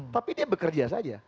tapi dia bekerja saja